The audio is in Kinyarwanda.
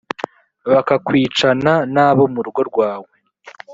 bakakwicana n abo mu rugo rwawe